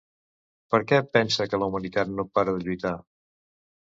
Per què pensa que la humanitat no para de lluitar?